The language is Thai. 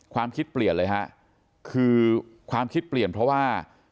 ความคิดเปลี่ยนเลยฮะคือความคิดเปลี่ยนเพราะว่า